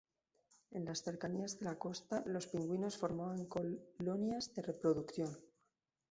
En las cercanías de las costas los pingüinos forman colonias de reproducción.